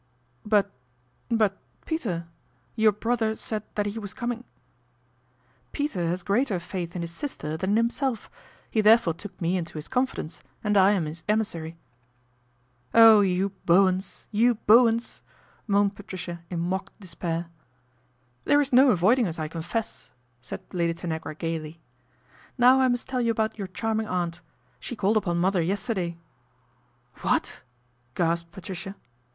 " But but Peter your brother said that he was coming "" Peter has greater faith in his sister than in himself, he therefore took me into his confidence and I am his emissary." " Oh, you Bowens, you Bowens !" moaned Patricia in mock despair. ' There is no avoiding us, I confess," said Lady Tanagra gaily. " Now I must tell you about your charming aunt. She called upon mother yesterday." " What !" gasped Patricia.